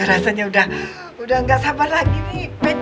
rasanya udah udah nggak sabar lagi nih